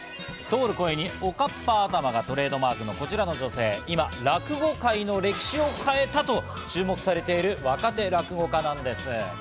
通る声におかっぱ頭がトレードマークのこちらの女性、今、落語界の歴史を変えたと注目されている若手落語家なんです。